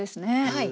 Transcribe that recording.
はい。